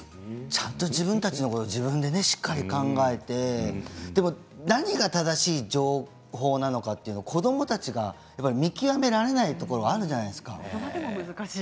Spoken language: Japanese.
ちゃんと自分たちのことを自分でしっかり考えてでも、何が正しい情報なのか子どもたちが見極められないところがあるんじゃないですかね。